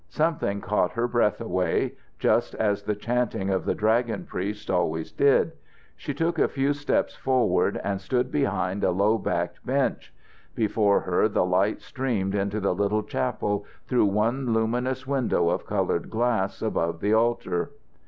Something caught her breath away, just as the chanting of the dragon priests always did. She took a few steps forward and stood behind a low backed bench. Before her, the light streamed into the little chapel through one luminous window of coloured glass above the altar.